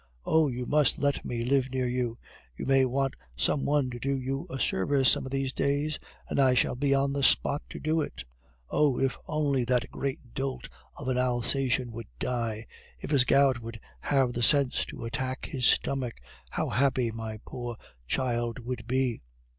Oh! you must let me live near you. You may want some one to do you a service some of these days, and I shall be on the spot to do it. Oh! if only that great dolt of an Alsatian would die, if his gout would have the sense to attack his stomach, how happy my poor child would be!